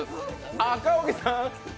赤荻さん！